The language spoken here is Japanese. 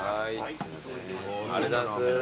ありがとうございます。